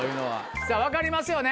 さぁ分かりますよね？